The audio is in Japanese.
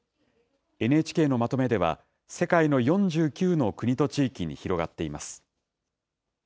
ＮＨＫのまとめでは、世界の４９の国と地域に広がっています。